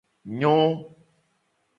Nyo.